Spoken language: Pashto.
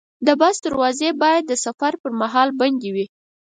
د بس دروازې باید د سفر پر مهال بندې وي.